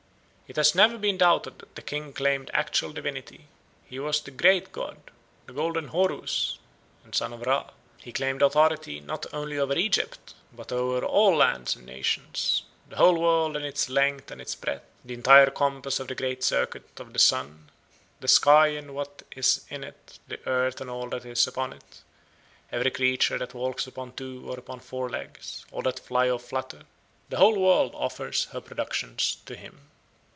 "It has never been doubted that the king claimed actual divinity; he was the 'great god,' the'golden Horus,' and son of Ra. He claimed authority not only over Egypt, but over'all lands and nations,''the whole world in its length and its breadth, the east and the west,''the entire compass of the great circuit of the sun,''the sky and what is in it, the earth and all that is upon it,''every creature that walks upon two or upon four legs, all that fly or flutter, the whole world offers her productions to him.'